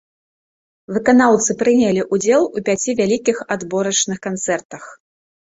Выканаўцы прынялі ўдзел у пяці вялікіх адборачных канцэртах.